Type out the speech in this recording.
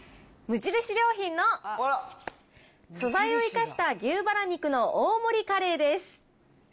無印良品の素材を生かした牛ばら肉の大盛りカレーです。